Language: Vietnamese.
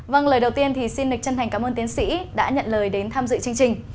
vâng lời đầu tiên thì xin lịch chân thành cảm ơn tiến sĩ đã nhận lời đến tham dự chương trình